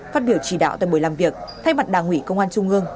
phát biểu chỉ đạo tại buổi làm việc thay mặt đảng ủy công an trung ương